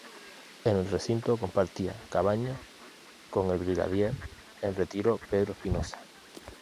En el recinto compartía cabaña con el brigadier en retiro Pedro Espinoza.